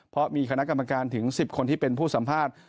เพราะมีคณะกรรมการถึง๑๐คนที่เป็นผู้สัมภาษณ์